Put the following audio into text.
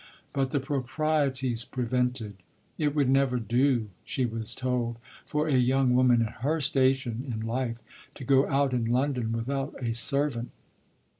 But the proprieties prevented. "It would never do," she was told, "for a young woman in her station in life to go out in London without a servant."